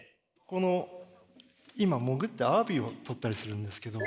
この今潜ってアワビを採ったりするんですけど。